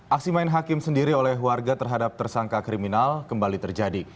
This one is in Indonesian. aksi main hakim sendiri oleh warga terhadap tersangka kriminal kembali terjadi